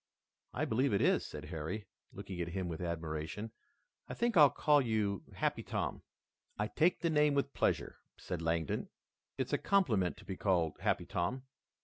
"I believe it is," said Harry, looking at him with admiration. "I think I'll call you Happy Tom." "I take the name with pleasure," said Langdon. "It's a compliment to be called Happy Tom.